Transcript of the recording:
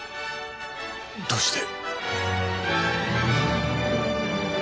どうして。